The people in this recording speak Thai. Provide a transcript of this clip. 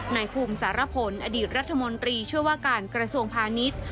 นายภูมิสารพลอดีตรัฐมนตรีช่วยว่าการกระทรวงพาณิชย์